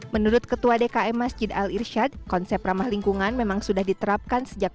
menurut ketua dkm masjid al irsyad konsep ramah lingkungan memang sudah diterapkan sejak